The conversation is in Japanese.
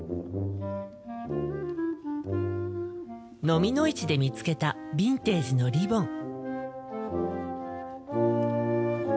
のみの市で見つけたビンテージのリボン。